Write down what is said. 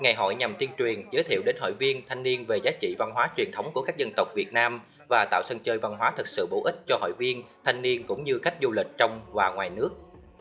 ngày hội nhằm tiên truyền giới thiệu đến hội viên thanh niên về giá trị văn hóa truyền thống của các dân tộc việt nam và tạo sân chơi văn hóa thật sự bổ ích cho hội viên thanh niên cũng như khách du lịch trong và ngoài nước